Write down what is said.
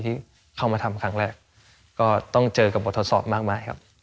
ที่เข้ามาทำครั้งแรกก็ต้องเจอกับบททดสอบมากมายครับ